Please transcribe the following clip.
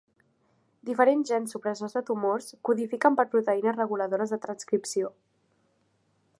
Diferents gens supressors de tumors codifiquen per proteïnes reguladores de transcripció.